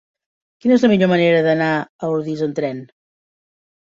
Quina és la millor manera d'anar a Ordis amb tren?